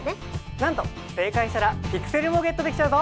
なんと正解したらピクセルもゲットできちゃうぞ！